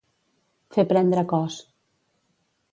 Fer prendre cos.